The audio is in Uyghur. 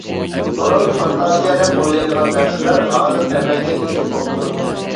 بۇرۇن فانتازىيە دەپ ئويلايدىغان نەرسىلەر ھازىر ئەمەلگە ئېشىپ بوپتۇ.